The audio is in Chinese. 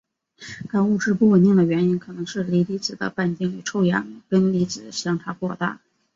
该物质不稳定的原因可能是锂离子的半径与臭氧根离子相差过大。